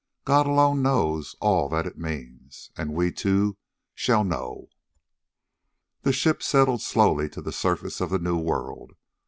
God alone knows all that it means. And we, too, shall know...." The ship settled slowly to the surface of the new world.